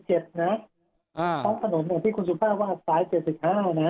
เท้าถนนเนี่ยคุณสุภาพูดว่าตาย๗๕นะ